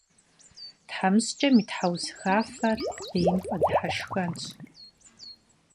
ТхьэмыщкӀэм и тхьэусыхафэр бейм фӀэдыхьэшхэнщ.